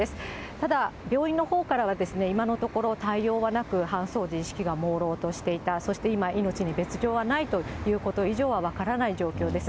ただ、病院のほうからは今のところ対応はなく、搬送時、意識がもうろうとしていた、そして今、命に別状はないということ以上は分からない状況です。